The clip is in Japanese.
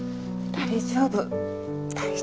大丈夫。